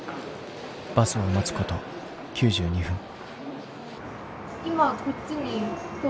バスを待つこと９２分。